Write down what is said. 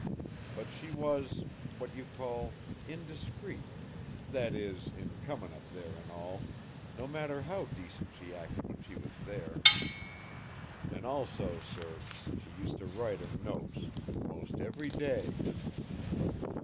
But she was what you call, indiscreet that is, in comin' up there at all no matter how decent she acted when she was there. An' also, sir, she used to write him notes most every day."